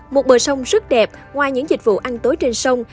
một bờ sông rất đẹp ngoài những dịch vụ ăn tối trên sông